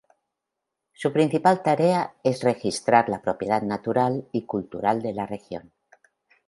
Su principal tarea es registrar la propiedad natural y cultural de la región.